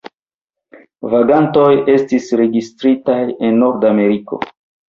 Vagantoj estis registritaj en Nordameriko.